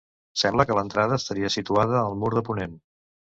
Sembla que l'entrada estaria situada al mur de ponent.